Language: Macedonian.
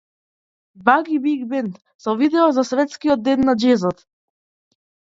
Баги Биг Бенд со видео за Светскиот ден на џезот